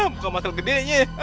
bukan badannya gede ya